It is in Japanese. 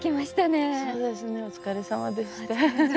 そうですねお疲れさまでした。